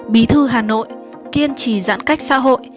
bí thư hà nội kiên trì giãn cách xã hội